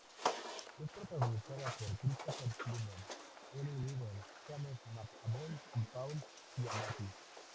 Es protagonizada por Christopher Plummer, Helen Mirren, James McAvoy y Paul Giamatti.